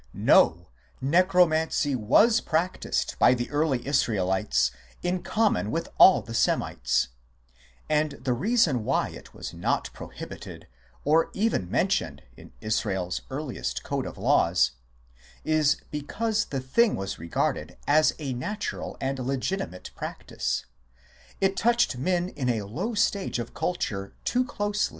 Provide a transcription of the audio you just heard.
No, Necromancy was prac tised by the early Israelites in common with all the Semites, and the reason why it was not prohibited, or even men tioned, in Israel s earliest Code of Laws was because the thing was regarded as a natural and legitimate practice ; it touched men in a low stage of culture too closely, and 1 Peake s Commentary on the Bible, p. 44.